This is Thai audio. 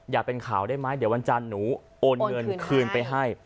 เป็นข่าวได้ไหมเดี๋ยววันจันทร์หนูโอนเงินคืนไปให้